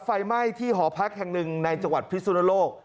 ไฟไหม้ที่หอพักแห่งหนึ่งในจังหวัดพิสุนโลก